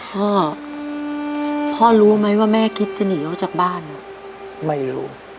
พ่อพ่อรู้ไหมว่าแม่คิดจะหนีออกจากบ้านไม่รู้